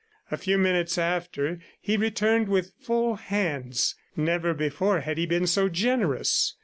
A few minutes after he returned with full hands. Never before had he been so generous.